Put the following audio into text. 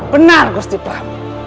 benar gusti prabu